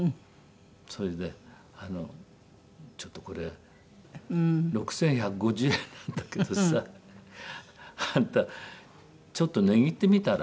それであの「ちょっとこれ６１５０円なんだけどさあんたちょっと値切ってみたら？」